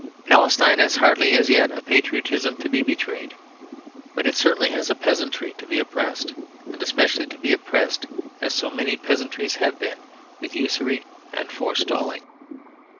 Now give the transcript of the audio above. Palestine has hardly as yet a patriotism to be betrayed; but it certainly has a peasantry to be oppressed, and especially to be oppressed as so many peasantries have been with usury and forestalling.